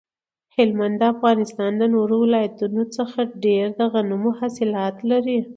هلمند د افغانستان د نورو ولایتونو څخه ډیر د غنمو حاصلات لري